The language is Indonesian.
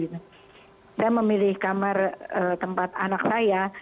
saya memilih kamar tempat anak saya